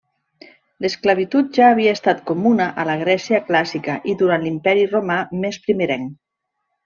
L'esclavitud ja havia estat comuna a la Grècia Clàssica i durant l'Imperi Romà més primerenc.